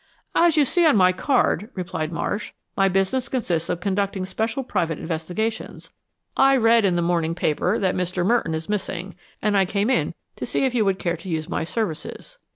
"As you see by my card," replied Marsh, "my business consists of conducting special private investigations. I read in the morning paper that Mr. Merton is missing, and I came in to see if you would care to use my services."